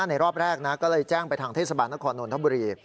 ในรอบแรกก็เลยแจ้งไปทางทศนครนวลธบุรี